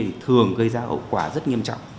thì thường gây ra ẩu quả rất nghiêm trọng